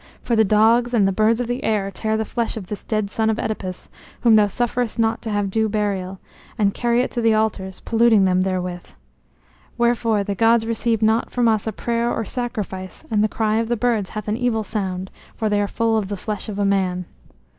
For the dogs and the birds of the air tear the flesh of this dead son of Œdipus, whom thou sufferest not to have due burial, and carry it to the altars, polluting them therewith. Wherefore the gods receive not from us prayer or sacrifice, and the cry of the birds hath an evil sound, for they are full of the flesh of a man.